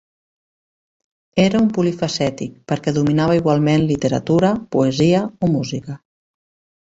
Era un polifacètic perquè dominava igualment literatura, poesia o música.